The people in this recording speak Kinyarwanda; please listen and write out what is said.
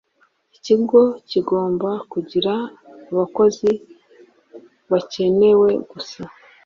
Ikigo kigomba kugira abakozi bakenewe gusa